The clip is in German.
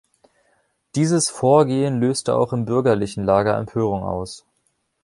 Dieses Vorgehen löste auch im bürgerlichen Lager Empörung aus.